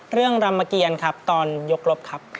เรื่องรำเกียรติครับตอนยกรบครับ